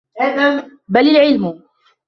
بَلْ الْعِلْمُ